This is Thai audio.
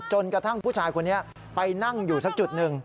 จนกระทั่งผู้ชายคนนี้ไปนั่งอยู่สักจุดหนึ่ง